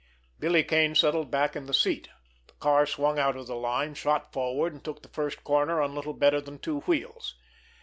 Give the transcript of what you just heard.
Billy Kane settled back in the seat. The car swung out of the line, shot forward, and took the first corner on little better than two wheels.